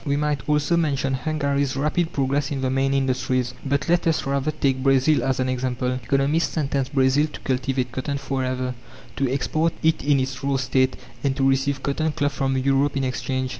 We might also mention Hungary's rapid progress in the main industries, but let us rather take Brazil as an example. Economists sentenced Brazil to cultivate cotton forever, to export it in its raw state, and to receive cotton cloth from Europe in exchange.